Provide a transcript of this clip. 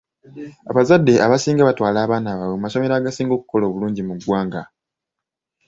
Abazadde abasinga batwala abaana baabwe mu masomero agasinga okukola obulungi mu ggwanga.